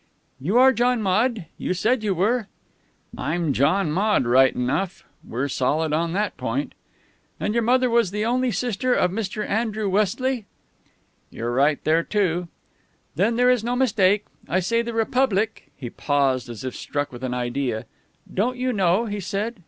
"You are John Maude? You said you were." "I'm John Maude right enough. We're solid on that point." "And your mother was the only sister of Mr. Andrew Westley?" "You're right there, too." "Then there is no mistake. I say the Republic " He paused, as if struck with an idea. "Don't you know?" he said.